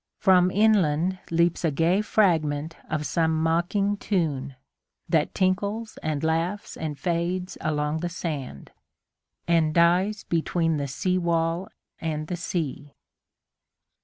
From inlandLeaps a gay fragment of some mocking tune, That tinkles and laughs and fades along the sand, And dies between the seawall and the sea.